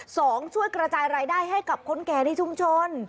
ช่วยกระจายรายได้ให้กับคนแก่ในชุมชน